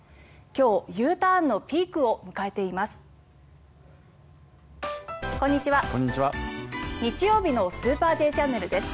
今日、Ｕターンのピークを迎えています。